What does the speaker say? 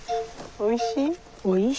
おいしい？